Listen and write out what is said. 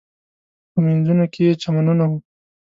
په مینځونو کې یې چمنونه و.